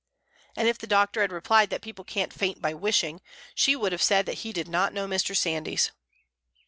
And if the doctor had replied that people can't faint by wishing, she would have said that he did not know Mr. Sandys.